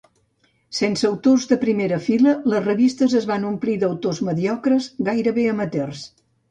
Sense autors de primera fila, les revistes es van omplir d'autors mediocres, gairebé amateurs.